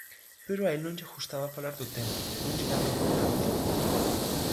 Pero a el non lle gustaba falar do tema, non lle daba importancia.